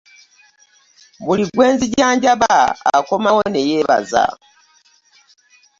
Buli gwe nzijanjaba akomawo ne yeebaza.